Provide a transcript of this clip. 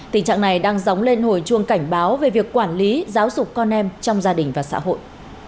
tình trạng này đang dóng lên hồi chuông cảnh báo về việc quản lý giáo dục con em trong gia đình và xã hội